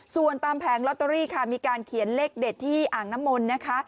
ส่วนตามแผงลอตเตอรี่ค่ะมีการเขียนเลขเด็ดที่อ่างน้ำมนต์นะคะ